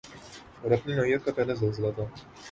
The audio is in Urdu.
اور اپنی نوعیت کا پہلا زلزلہ تھا